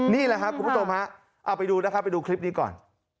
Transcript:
นี่แหละครับคุณผู้โตมฮะไปดูคลิปนี้ก่อน